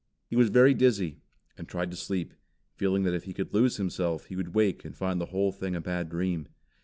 He was very dizzy, and tried to sleep, feeling that if he could lose himself, he would wake and find the whole thing a bad dream.